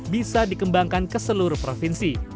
bisa dikembangkan ke seluruh provinsi